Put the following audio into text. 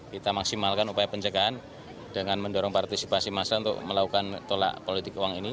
kita maksimalkan upaya pencegahan dengan mendorong partisipasi massa untuk melakukan tolak politik uang ini